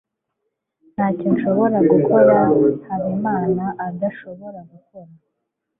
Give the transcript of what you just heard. ntacyo nshobora gukora habimana adashobora gukora